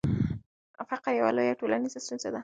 فقر یوه لویه ټولنیزه ستونزه ده.